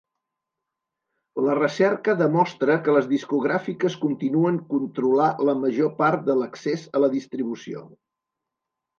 La recerca demostra que les discogràfiques continuen controlar la major part de l'accés a la distribució.